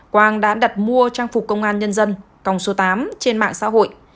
quang đã đặt mua trang phục công an nhân dân còng số tám trên mạng xã hội